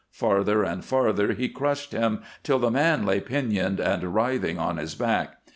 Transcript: Farther and farther he crushed him till the man lay pinioned and writhing on his back.